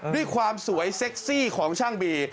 ด้วยความสวยเซ็กซี่ของช่างบี